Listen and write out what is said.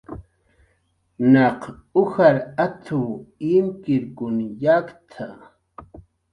"Naq ujar at""w imkirkun yakt""a"